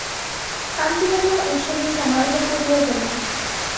কাঞ্চীনগরে উৎসবের সমারোহ পড়িয়া গেল।